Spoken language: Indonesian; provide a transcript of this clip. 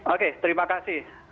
oke terima kasih